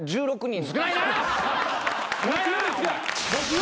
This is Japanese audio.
１６人？